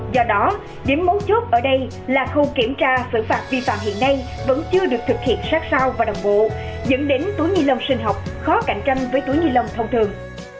do đó điểm mấu chốt ở đây là khâu kiểm tra xử phạt vi phạm hiện nay vẫn chưa được thực hiện sát sao và đồng bộ dẫn đến túi ni lông sinh học khó cạnh tranh với túi ni lông thông thường